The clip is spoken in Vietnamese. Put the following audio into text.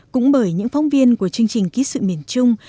cũng bởi những phóng viên của chương trình ký sự miền trung